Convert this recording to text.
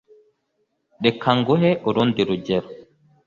Reka nguhe urundi rugero